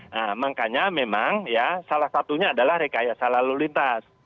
nah makanya memang ya salah satunya adalah rekayasa lalu lintas